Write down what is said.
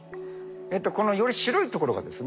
このより白いところがですね